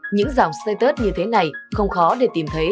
những dòng say tớt như thế này không khó để tìm thấy